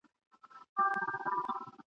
چي هر څه تلاښ کوې نه به ټولیږي !.